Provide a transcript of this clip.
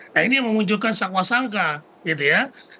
nah ini yang memunculkan sakwa sangka gitu ya